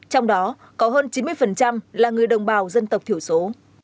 trong đó có hơn chín mươi là người đồng bào dân tộc thiểu số